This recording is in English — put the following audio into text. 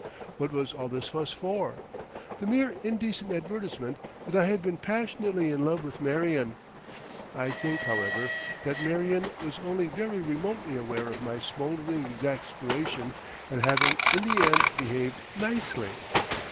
What was all this fuss for? The mere indecent advertisement that I had been passionately in love with Marion! I think, however, that Marion was only very remotely aware of my smouldering exasperation at having in the end behaved "nicely."